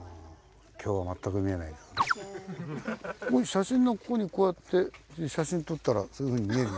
写真のここにこうやって写真撮ったらそういうふうに見える。